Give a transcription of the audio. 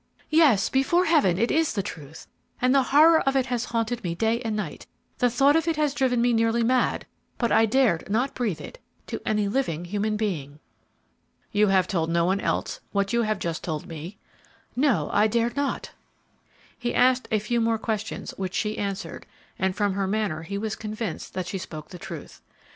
"Yes, before Heaven, it is the truth, and the horror of it has haunted me day and night; the thought of it has driven me nearly mad, but I dared not breathe it to any living human being." "You have told no one else what you have just told me?" "No, I dared not." He asked a few more questions which she answered, and from her manner he was convinced that she spoke the truth.